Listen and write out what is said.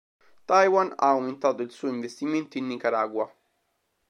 Taiwan ha aumentato il suo investimento in Nicaragua.